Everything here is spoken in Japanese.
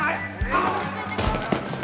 落ち着いてください